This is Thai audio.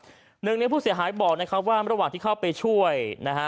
หนึ่งในผู้เสียหายบอกนะครับว่าระหว่างที่เข้าไปช่วยนะฮะ